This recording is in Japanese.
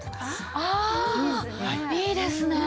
ああいいですね。